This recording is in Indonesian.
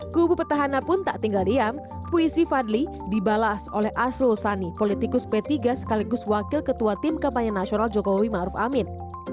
kubu petahana pun tak tinggal diam puisi fadli dibalas oleh asrul sani politikus p tiga sekaligus wakil ketua tim kampanye nasional jokowi maruf amin